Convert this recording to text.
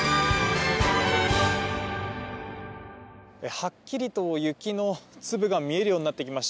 はっきりと雪の粒が見えるようになってきました。